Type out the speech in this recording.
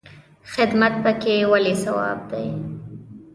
خدمت پکې ولې ثواب دی؟